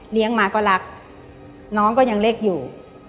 มาก็รักน้องก็ยังเล็กอยู่